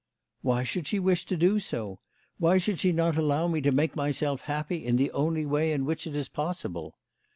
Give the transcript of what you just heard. " Why should she wish to do so ? Why should she not allow me to make myself happy in the only way in which it is possible